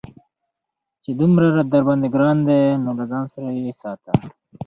چې دومره درباندې گران دى نو له ځان سره يې ساته.